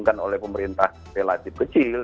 yang oleh pemerintah relatif kecil